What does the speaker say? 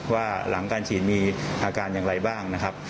ว่าหลังการฉีดมีอาการอย่างไรบ้างนะครับ